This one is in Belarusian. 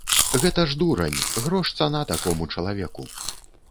Гэта ж дурань, грош цана такому чалавеку.